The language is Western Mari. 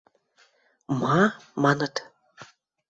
Ма? – маныт.